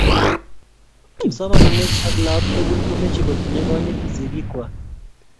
kipsomaninik ak laak tokol komeche kotinye konyit sikiik kwach